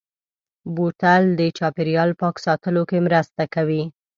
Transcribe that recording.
بوتل د چاپېریال پاک ساتلو کې مرسته کوي.